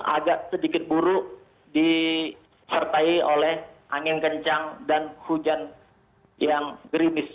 agak sedikit buruk disertai oleh angin kencang dan hujan yang gerimis